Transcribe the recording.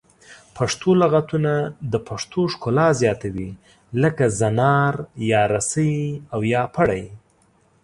پښتو لغتونه د پښتو ښکلا زیاتوي لکه زنار یا رسۍ او یا پړی